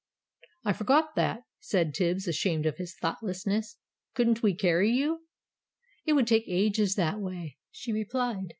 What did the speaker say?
"I forgot that!" said Tibbs, ashamed of his thoughtlessness. "Couldn't we carry you?" "It would take ages that way," she replied.